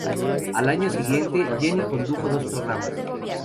Al año siguiente, Jenny condujo dos programas.